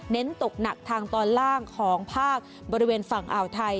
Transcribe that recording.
เน้นตกหนักทางตอนล่างของภาคบริเวณฝั่งอ่าวไทย